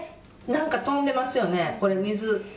何か飛んでますよね、水。